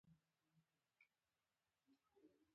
هندوکش افغانانو ته معنوي ارزښت لري.